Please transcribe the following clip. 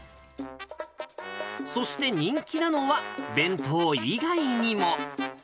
そして、人気なのは、弁当以外にも。